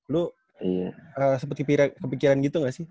lu seperti kepikiran gitu gak sih